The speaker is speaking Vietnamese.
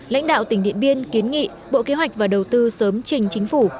lãnh đạo tỉnh điện biên kiến nghị bộ kế hoạch và đầu tư sớm trình chính phủ